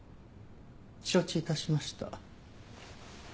承知致しました。